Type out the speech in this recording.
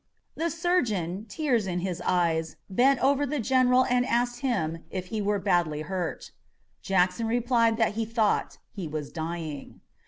The surgeon, tears in his eyes, bent over the general and asked him if he were badly hurt. Jackson replied that he thought he was dying.